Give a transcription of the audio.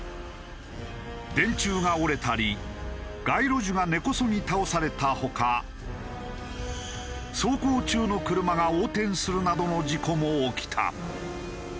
電柱が折れたり街路樹が根こそぎ倒されたほか走行中の車が横転するなどの事故も起きた。